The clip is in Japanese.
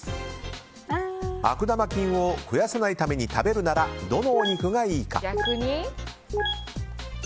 悪玉菌を増やさないために食べるならどのお肉がいいか。